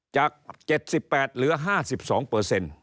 จาก๗๘เหลือ๕๒